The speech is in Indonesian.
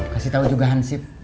kasih tau juga hansitro